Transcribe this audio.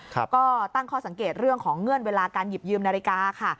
ก็ตั้งข้อสังเกตเรื่องของเงื่อนเวลาการหยิบยืมนาฬิกาค่ะ